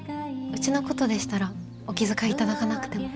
うちのことでしたらお気遣い頂かなくても。